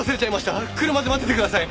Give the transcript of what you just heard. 車で待っててください。